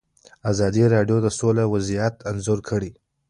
ازادي راډیو د سوله وضعیت انځور کړی.